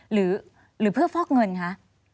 หรือเพื่อฟอกเงินคะ